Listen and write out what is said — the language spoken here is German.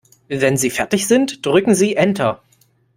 Wenn Sie fertig sind, drücken Sie Enter.